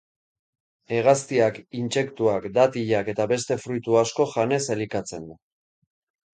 Hegaztiak, intsektuak, datilak eta beste fruitu asko janez elikatzen da.